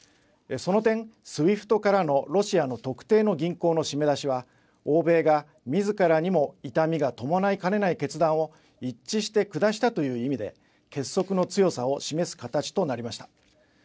その点ＳＷＩＦＴからのロシアの特定の銀行の締め出しは欧米がみずからにも痛みが伴いかねない決断を一致して下したという意味で結束の強さを示す形となりました。